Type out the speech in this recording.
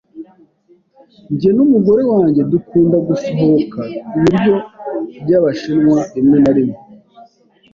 Jye n'umugore wanjye dukunda gusohoka ibiryo byabashinwa rimwe na rimwe.